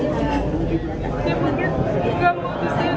dia bukan nggak mau pusing airnya